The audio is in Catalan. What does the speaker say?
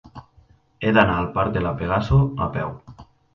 He d'anar al parc de La Pegaso a peu.